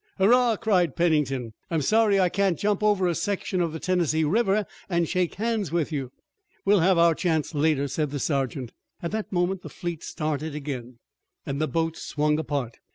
"Hurrah!" cried Pennington. "I'm sorry I can't jump over a section of the Tennessee River and shake hands with you." "We'll have our chance later," said the sergeant. At that moment the fleet started again, and the boats swung apart.